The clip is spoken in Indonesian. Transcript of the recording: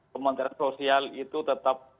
kementerian sosial itu tetap